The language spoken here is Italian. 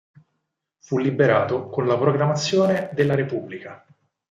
Fu liberato con la proclamazione della Repubblica.